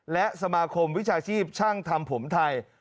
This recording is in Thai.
และสมาคมวิชาชีพช่างทำผมไทย